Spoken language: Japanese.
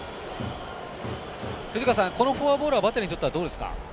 藤川さん、このフォアボールはバッテリーにとってはどうですか。